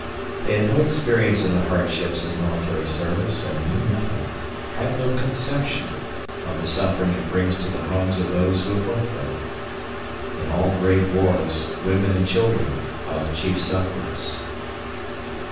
They had no experience in the hardships of military service and knew nothing, had no conception, of the suffering it brings to the homes of those who have left them. In all great wars, women and children are the chief sufferers.